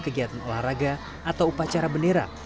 kegiatan olahraga atau upacara bendera